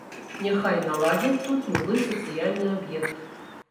Няхай наладзяць тут любы сацыяльны аб'ект.